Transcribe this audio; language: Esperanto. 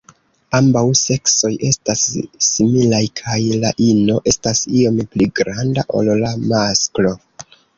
Ambaŭ seksoj estas similaj, kaj la ino estas iom pli granda ol la masklo.